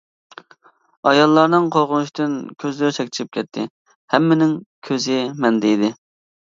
ئاياللارنىڭ قورقۇنچتىن كۆزلىرى چەكچىيىپ كەتتى، ھەممىنىڭ كۆزى مەندە ئىدى.